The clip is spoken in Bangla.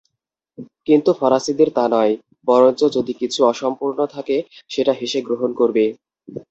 কিন্তু ফরাসীদের তা নয়, বরঞ্চ যদি কিছু অসম্পূর্ণ থাকে সেটা হেসে গ্রহণ করবে।